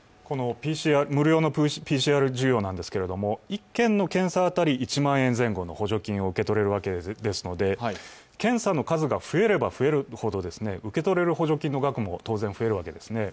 無料のＰＣＲ需要なんですけれども１件当たり補助金を受け取れるわけですので検査の数が増えれば増えるほど、受け取れる補助金の額も当然増えるわけですね。